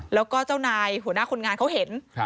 แล้วก็เจ้านายหัวหน้าคนงานเขาเห็น